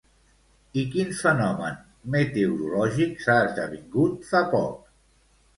I quin fenomen meteorològic s'ha esdevingut fa poc?